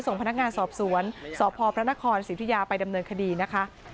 ส่งพนักงานสอบสวนสพพระนครสิทธิยาไปดำเนินคดีนะคะ